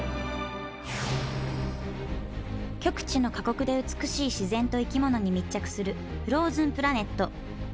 極地の過酷で美しい自然と生き物に密着する「フローズンプラネット」。